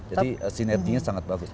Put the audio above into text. jadi sinetrinya sangat bagus